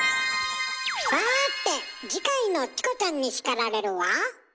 さて次回の「チコちゃんに叱られる」は？